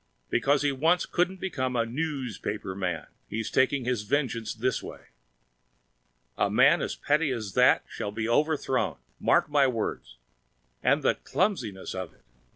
Because he once couldn't become a "noospaper" man, he's taking his vengeance this way. A man as petty as that shall be overthrown! Mark my words! And the clumsiness of it!